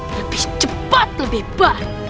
lebih cepat lebih baik